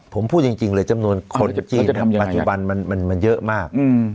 ผมพูดจริงเลยจำนวนคนจีนปัจจุบันมันเยอะมาก